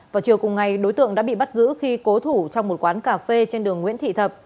vào chiều cùng ngày đối tượng đã bị bắt giữ khi cố thủ trong một quán cà phê trên đường nguyễn thị thập